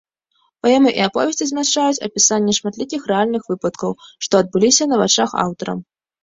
Паэмы і аповесці змяшчаюць апісанне шматлікіх рэальных выпадкаў, што адбыліся на вачах аўтара.